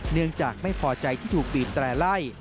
เนื่องจากไม่พอใจที่ถูกบีบแตร่ไล่